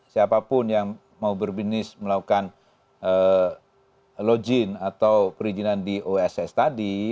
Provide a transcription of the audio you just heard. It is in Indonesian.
siapapun yang mau berbisnis melakukan login atau perizinan di oss tadi